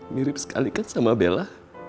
mirip sekali kan sama bella